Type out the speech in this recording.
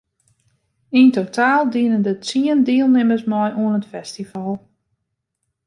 Yn totaal diene der tsien dielnimmers mei oan it festival.